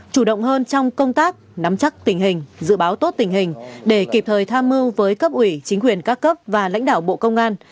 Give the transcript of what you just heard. chủ động hơn trong công tác nắm chắc tình hình dự báo tốt tình hình để kịp thời tham mưu với cấp ủy chính quyền các cấp và lãnh đạo bộ công an